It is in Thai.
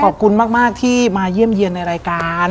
ขอบคุณมากที่มาเยี่ยมเยี่ยมในรายการ